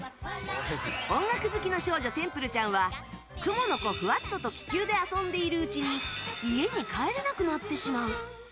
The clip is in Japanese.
音楽好きの少女テンプルちゃんは雲の子フワットと気球で遊んでいるうちに家に帰れなくなってしまう。